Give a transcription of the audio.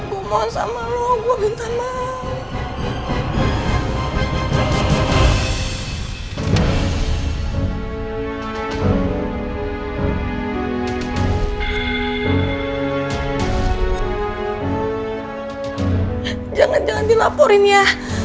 aku mohon sama lo gua minta maaf jangan jangan dilaporin ya